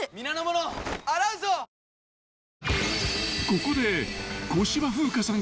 ［ここで］